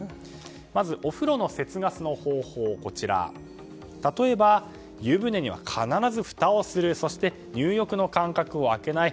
まず、お風呂の節ガスの方法ですが例えば、湯船には必ずふたをするそして入浴の間隔を空けない。